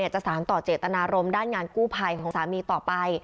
จะสารต่อเจตนารมณ์ด้านงานกู้ภัยของสามีต่อไป